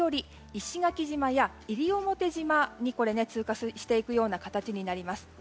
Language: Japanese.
石垣島や西表島に通過していくような形になります。